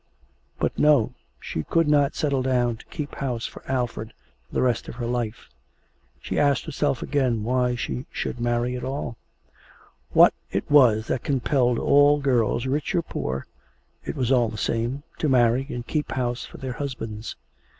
But no, she could not settle down to keep house for Alfred for the rest of her life. She asked herself again why she should marry at all what it was that compelled all girls, rich or poor, it was all the same, to marry and keep house for their husbands.